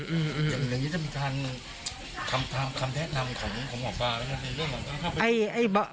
อืมอย่างนี้จะมีคำแท้นำของหมอปลาแล้วไหม